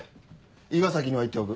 伊賀崎には言っておく。